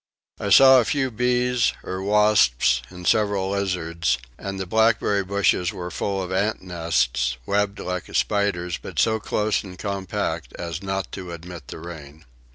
I saw a few bees or wasps and several lizards; and the blackberry bushes were full of ants nests, webbed like a spider's but so close and compact as not to admit the rain.